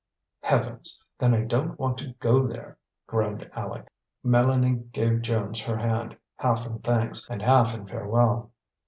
"Heavens! Then I don't want to go there!" groaned Aleck. Mélanie gave Jones her hand, half in thanks and half in farewell.